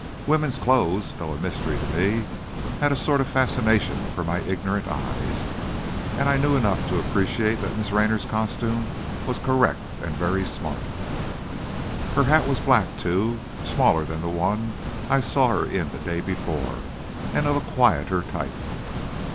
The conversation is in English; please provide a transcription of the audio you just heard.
Women's clothes, though a mystery to me, had a sort of fascination for my ignorant eyes, and I knew enough to appreciate that Miss Raynor's costume was correct and very smart. Her hat was black, too, smaller than the one I saw her in the day before, and of a quieter type.